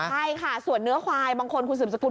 ใช่ค่ะส่วนเนื้อควายบางคนคุณสืบสกุล